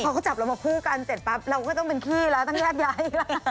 พอเขาจับเรามาคู่กันเสร็จปั๊บเราก็ต้องเป็นขี้แล้วต้องแยกย้าย